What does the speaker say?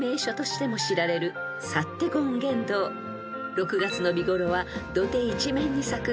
［６月の見頃は土手一面に咲く